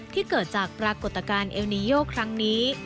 ที่เกิดจากปรากฏการณ์เอลนีโยครั้งนี้